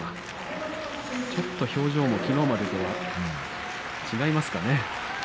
ちょっと表情もきのうまでとは違いますかね。